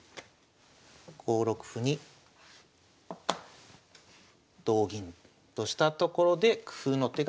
５六歩に同銀としたところで工夫の手が出ます。